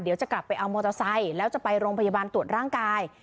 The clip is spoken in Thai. เดี๋ยวจะกลับไปเอามอเตอร์ไซค์แล้วจะไปโรงพยาบาลตรวจร่างกาย